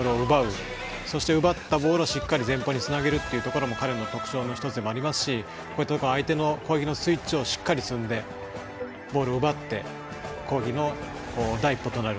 そして、奪ったボールを前方につなげるというのも彼の特徴でもありますし相手の攻撃のスイッチをしっかりつんでボールを奪って攻撃の第一歩となる。